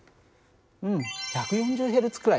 うん１４０Ｈｚくらいだね。